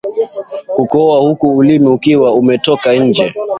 Kukohoa huku ulimi ukiwa umetoka nje